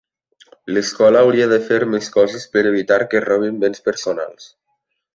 L'escola hauria de fer més coses per evitar que es robin béns personals.